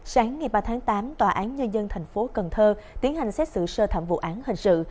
sáng ngày ba tháng tám tòa án nhân dân thành phố cần thơ tiến hành xét xử sơ thẩm vụ án hình sự